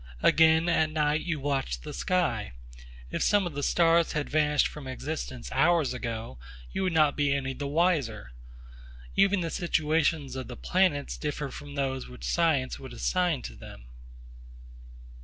Again at night you watch the sky; if some of the stars had vanished from existence hours ago, you would not be any the wiser. Even the situations of the planets differ from those which science would assign to them.